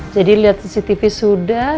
jadi liat cctv sudah